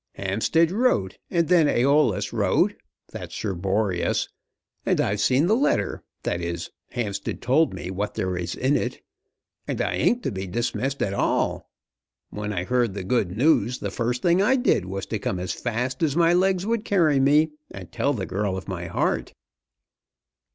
Hampstead wrote, and then Æolus wrote, that's Sir Boreas, and I've seen the letter, that is, Hampstead told me what there is in it; and I ain't to be dismissed at all. When I heard the good news the first thing I did was to come as fast as my legs would carry me, and tell the girl of my heart."